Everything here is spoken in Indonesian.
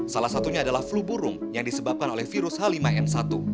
salah satunya adalah flu burung yang disebabkan oleh virus h lima n satu